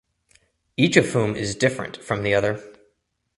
Each of whom is different from the other.